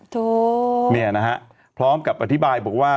ทรูไม่อ่ะนะฮะพร้อมกับอธิบายบอกว่า